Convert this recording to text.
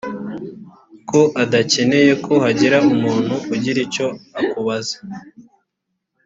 ko udakeneye ko hagira umuntu ugira icyo akubaza